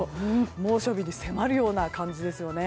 猛暑日に迫るような感じですね。